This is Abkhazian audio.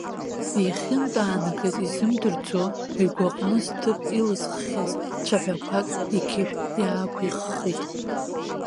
Иахьынтәаанагаз изымдырӡо, игәаҟны зҭыԥ ылызххьаз цәаҳәақәак иқьышә иаақәыххит.